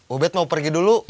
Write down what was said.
ubed mau pergi dulu